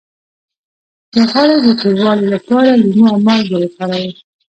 د غاړې د توروالي لپاره لیمو او مالګه وکاروئ